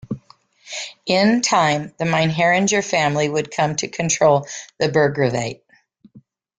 In time the Meinheringer family would come to control the burgravate.